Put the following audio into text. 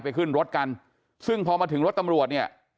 ขึ้นรถกันซึ่งพอมาถึงรถตำรวจเนี่ย